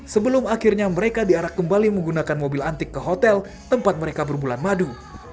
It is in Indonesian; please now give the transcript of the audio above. sebelum akhirnya mereka diarak kembali menggunakan mobil antik ke hotel tempat mereka berbulan madu